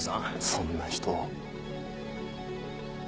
そんな人を。